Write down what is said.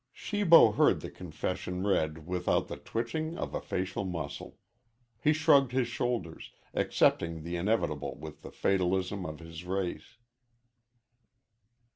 Shibo heard the confession read without the twitching of a facial muscle. He shrugged his shoulders, accepting the inevitable with the fatalism of his race.